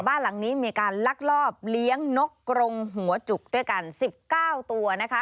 บ้านหลังนี้มีการลักลอบเลี้ยงนกกรงหัวจุกด้วยกัน๑๙ตัวนะคะ